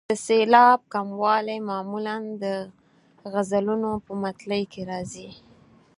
د سېلاب کموالی معمولا د غزلونو په مطلع کې راځي.